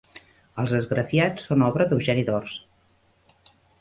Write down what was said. Els esgrafiats són obra d'Eugeni d'Ors.